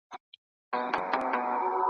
د گلونو پر ښاخونو مرغکۍ دی چی زنگېږی `